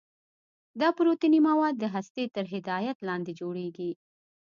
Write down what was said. دا پروتیني مواد د هستې تر هدایت لاندې جوړیږي.